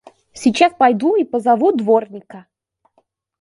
Сейчас пойду и позову дворника!